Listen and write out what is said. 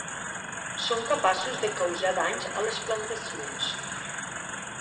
Són capaços de causar danys a les plantacions.